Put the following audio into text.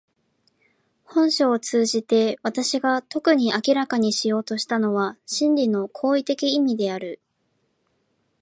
本書を通じて私が特に明らかにしようとしたのは真理の行為的意味である。